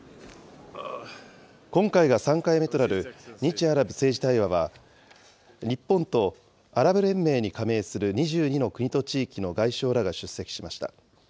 今回が３回目となる日アラブ政治対話は、日本とアラブ連盟に加盟する２２の国と地域の外相らが出席しました。